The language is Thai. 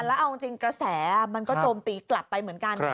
แล้วเอาจริงกระแสมันก็โจมตีกลับไปเหมือนกัน